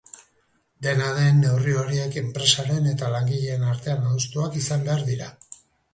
Dena den, neurri horiek enpresaren eta langileen artean adostutakoak izan behar dira.